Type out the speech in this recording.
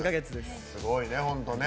すごいね、本当ね。